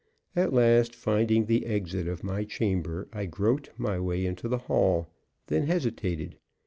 At last, finding the exit of my chamber, I groped my way into the hall, then hesitated.